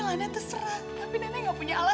tante serius dong ini tante